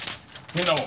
みんなも！